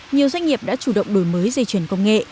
nhiều doanh nghiệp đã chủ động đổi mới dây chuyển công nghệ